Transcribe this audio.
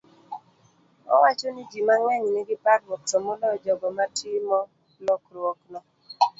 Owacho ni ji mang'eny nigi parruok, to moloyo jogo matimo lokruokgo.